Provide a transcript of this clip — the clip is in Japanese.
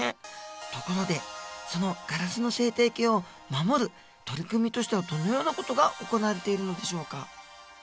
ところでそのガラスの生態系を守る取り組みとしてはどのような事が行われているのでしょうか？